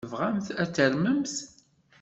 Tebɣamt ad tarmemt?